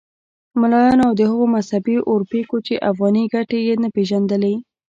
ملایانو او هغو مذهبي اورپکو چې افغاني ګټې یې نه پېژندلې.